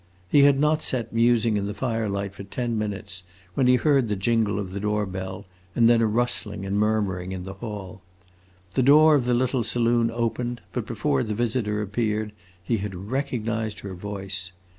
He had not sat musing in the firelight for ten minutes when he heard the jingle of the door bell and then a rustling and murmuring in the hall. The door of the little saloon opened, but before the visitor appeared he had recognized her voice.